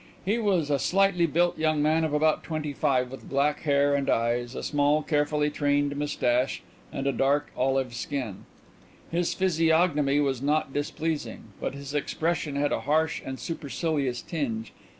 He was a slightly built young man of about twenty five, with black hair and eyes, a small, carefully trained moustache, and a dark olive skin. His physiognomy was not displeasing, but his expression had a harsh and supercilious tinge.